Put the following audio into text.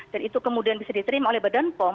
dan itu kemudian bisa diterima oleh badan pom